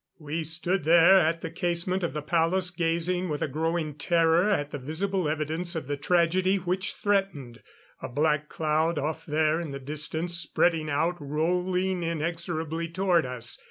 We stood there at the casement of the palace, gazing with a growing terror at the visible evidence of the tragedy which threatened. A black cloud off there in the distance, spreading out, rolling inexorably toward us.